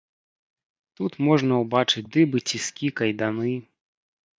Тут можна ўбачыць дыбы, ціскі, кайданы.